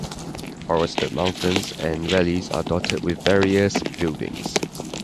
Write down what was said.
Forested mountains and valleys are dotted with various buildings.